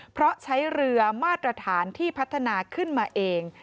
เพราะใช้เรือมาตรฐานที่พัฒนาขึ้นมาเอง